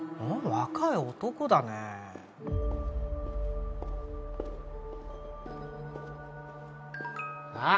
若い男だねえあっ